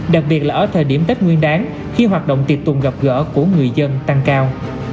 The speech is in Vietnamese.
đặc biệt là ở thời điểm tết nguyên đáng khi hoạt động tiệc tùng gặp gỡ của người dân tăng cao